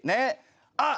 あっ。